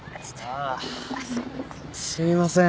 ああすいません。